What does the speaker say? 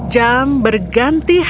jam berganti hari